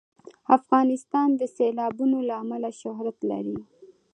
افغانستان د سیلابونه له امله شهرت لري.